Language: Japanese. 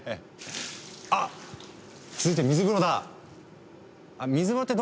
あっ続いて水風呂だ！